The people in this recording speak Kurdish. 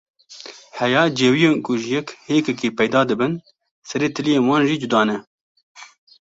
Heya cêwiyên ku ji yek hêkekî peyda dibin, serê tiliyên wan jî cuda ne!